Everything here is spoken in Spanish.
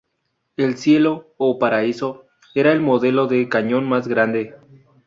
El "Cielo" o "Paraíso" era el modelo de cañón más grande.